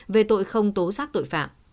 về tội không tố xác tội phạm